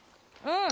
うん！